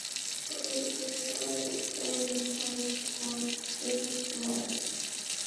Gobert first started playing tennis at age eleven.